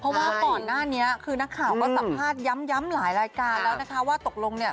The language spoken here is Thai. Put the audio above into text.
เพราะว่าก่อนหน้านี้คือนักข่าวก็สัมภาษณ์ย้ำหลายรายการแล้วนะคะว่าตกลงเนี่ย